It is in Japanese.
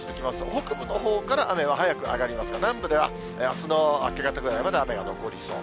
北部のほうから雨は早く上がりますが、南部ではあすの明け方ぐらいまで雨が残りそう。